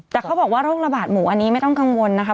แต่เขาบอกว่าโรคระบาดหมูอันนี้ไม่ต้องกังวลนะคะ